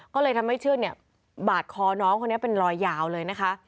ก็เลยทำให้เชือกเนี่ยบาดคอน้องคนนี้เป็นรอยยาวเลยนะคะ